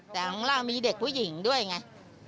แต่ข้างล่างมีเด็กผู้หญิงด้วยไง